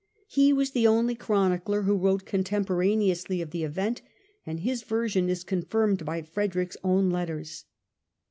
He was the only chronicler who wrote contemporaneously of the event, and his version is confirmed by Frederick's own letters.